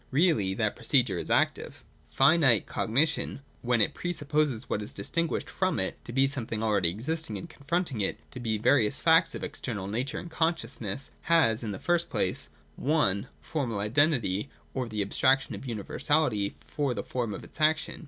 Really that procedure is active. 227.] Finite Cognition, when it pre supposes what is 227.J SCIENTIFIC METHODS. 365 distinguished from it to be something already existing and confronting it, — to be the various facts of external nature or of consciousness — has, in the first place, (i) Formal identity or the abstraction of universality for the form of its action.